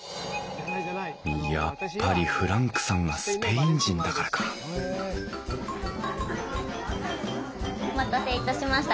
やっぱりフランクさんがスペイン人だからかお待たせいたしました。